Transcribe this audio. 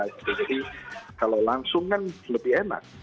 jadi kalau langsung kan lebih enak